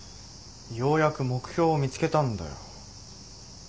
ようやく目標を見つけたんだよ。